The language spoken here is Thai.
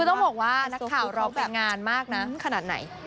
คือต้องบอกว่านักข่าวร้องเป็นงานมากนะขนาดไหน